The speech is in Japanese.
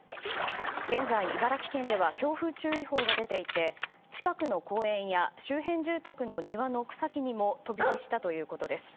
現在、茨城県では強風注意報が出ていて近くの公園や周辺住宅の庭の草木にも飛び火したということです。